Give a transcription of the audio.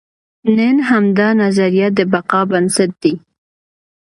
نن همدا نظریه د بقا بنسټ دی.